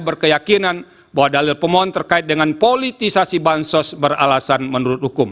berkeyakinan bahwa dalil pemohon terkait dengan politisasi bansos beralaman